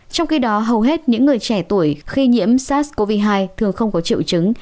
trong khi đó hầu hết những người trẻ tuổi khi nhiễm sars cov hai thường không có triệu chứng